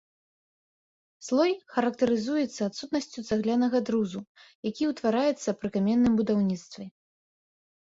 Слой характарызуецца адсутнасцю цаглянага друзу, які ўтвараецца пры каменным будаўніцтве.